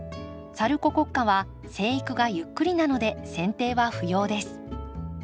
サルココッカは生育がゆっくりなのでせん定は不要です。